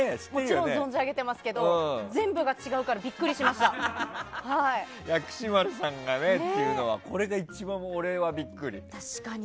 もちろん私も存じ上げてますけど全部が違うから薬師丸さんがっていうのはこれが一番、俺はビックリした。